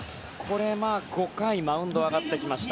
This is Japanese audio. ５回、マウンドに上がってきました。